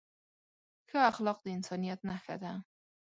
ښه اخلاق د انسانیت نښه ده.